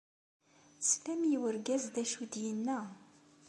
Teslam i urgaz d acu ay d-yenna.